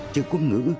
chữ quốc ngữ